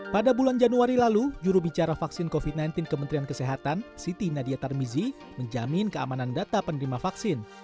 pada bulan januari lalu jurubicara vaksin covid sembilan belas kementerian kesehatan siti nadia tarmizi menjamin keamanan data penerima vaksin